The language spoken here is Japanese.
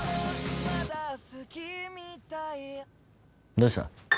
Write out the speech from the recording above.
どうした？